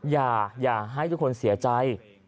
อย่าให้ทุกคนเสียใจ